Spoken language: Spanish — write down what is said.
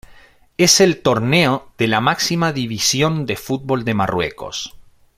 Es el torneo de la máxima división del Fútbol de Marruecos.